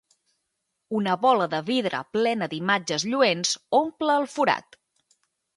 Una bola de vidre plena d'imatges lluents omple el forat.